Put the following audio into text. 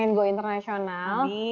pengen go internasional